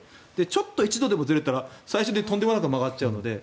ちょっと一度でもずれたら最終的にとんでもなく曲がってしまうので。